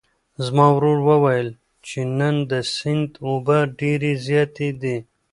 زما ورور وویل چې نن د سیند اوبه ډېرې زیاتې دي.